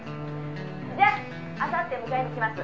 「じゃああさって迎えに来ます」